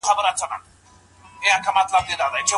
کبابي له یوه ځوان سره په خبرو لګیا و.